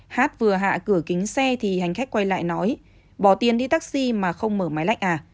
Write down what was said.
h vừa hạ cửa kính xe thì hành khách quay lại nói bỏ tiền đi taxi mà không mở máy lạnh à